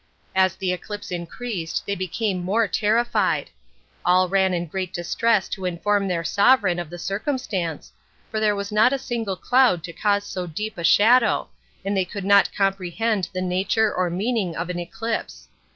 As the eclipse increased they became more terrified. All ran in great distress to inform their sovereign of the circumstance, for there was not a single cloud to cause so deep a shadow, and they could not comprehend the nature or meaning of an eclipse....